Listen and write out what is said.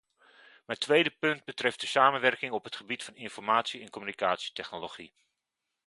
Mijn tweede punt betreft de samenwerking op het gebied van informatie en communicatietechnologie.